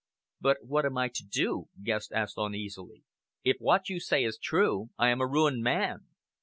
"But what am I to do?" Guest asked uneasily. "If what you say is true, I am a ruined man."